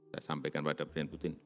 saya sampaikan pada presiden putin